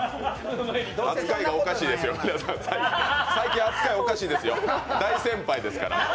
扱いがおかしいですよ、皆さん、最近扱いがおかしいですよ、大先輩ですから。